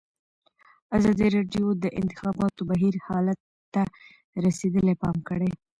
ازادي راډیو د د انتخاباتو بهیر حالت ته رسېدلي پام کړی.